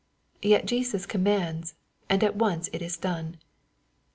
Yet Jesus commands, and at once it is done.